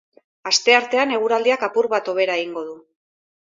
Asteartean eguraldiak apur bat hobera egingo du.